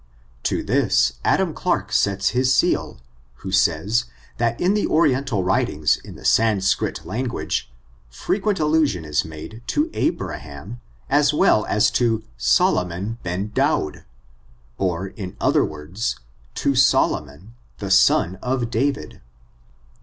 To this Adam Clarke sets his seal, who says, that in the oriental writings in the Sanscrit lan guage, frequent allusion is made to Abrakan^ as well as to Solomon ben Doud; or, in other words, to Solo mon, the son of David.